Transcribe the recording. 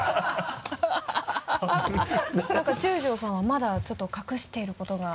何か中條さんはまだちょっと隠していることが。